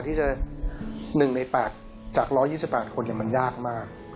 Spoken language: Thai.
ที่จะหนึ่งในแปลกจาก๑๒๘คนมันยากมาก